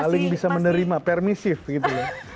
paling bisa menerima permisif gitu